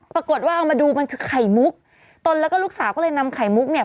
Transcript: ปรากฏว่าเอามาดูมันคือไข่มุกตนแล้วก็ลูกสาวก็เลยนำไข่มุกเนี่ย